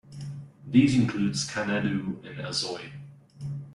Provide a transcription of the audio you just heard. These include Scanadu and Azoi.